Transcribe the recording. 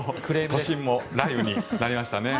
都心も雷雨になりましたね。